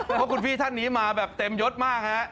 เพราะคุณพี่ท่านนี้มาแบบเต็มยดมากฮะ